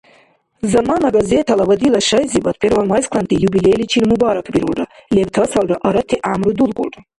«Замана» газетала ва дила шайзибад первомайскланти юбилейличил мубаракбирулра, лебтасалра арати гӀямру дулгулра.